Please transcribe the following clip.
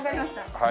はい。